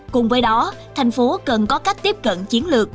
cùng với đó tp hcm cần có cách tiếp cận chiến lược